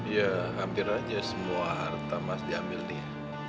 ya hampir aja semua harta mas diambil dia